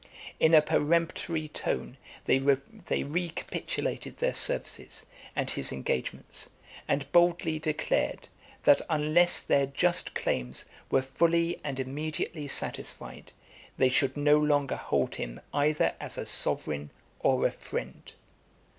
In a peremptory tone, they recapitulated their services and his engagements; and boldly declared, that unless their just claims were fully and immediately satisfied, they should no longer hold him either as a sovereign or a friend.